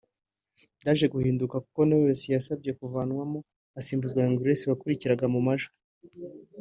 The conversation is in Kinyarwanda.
byaje guhinduka kuko Knowless yasabye kuvanwamo asimbuzwa Young Grace wakurikiraga mu majwi